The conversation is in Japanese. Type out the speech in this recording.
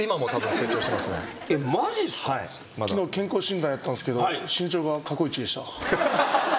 昨日健康診断やったんすけど身長が過去イチでした。